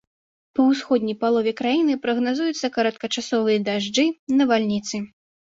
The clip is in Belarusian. Па ўсходняй палове краіны прагназуюцца кароткачасовыя дажджы, навальніцы.